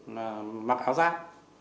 là mặc áo giác